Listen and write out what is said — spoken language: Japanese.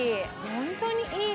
ホントにいい。